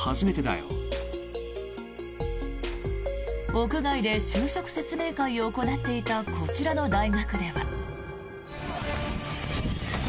屋外で就職説明会を行っていたこちらの大学では。